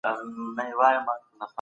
تخلیقي آثار د لیکوال د زړه ږغ دئ.